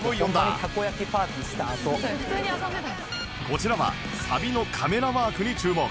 こちらはサビのカメラワークに注目